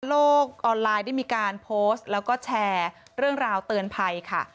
โลกออนไลน์ได้มีการโพสต์แล้วก็แชร์เรื่องราวเตือนภัยค่ะ